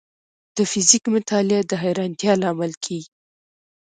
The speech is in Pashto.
د فزیک مطالعه د حیرانتیا لامل کېږي.